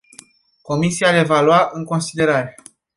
Comisia le va lua în considerare.